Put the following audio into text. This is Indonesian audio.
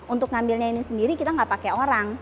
untuk ngambilnya ini sendiri kita nggak pakai orang